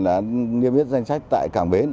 là nghiêm viết danh sách tại cảng bến